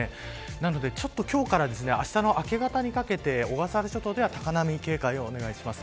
なので、今日からあしたの明け方にかけて小笠原諸島では高波に警戒をお願いします。